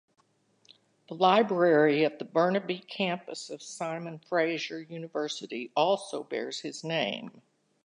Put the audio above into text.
The library at the Burnaby campus of Simon Fraser University also bears his name.